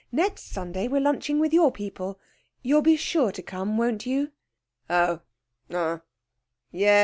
Next Sunday we're lunching with your people. You'll be sure to come, won't you?' 'Oh, ah, yes!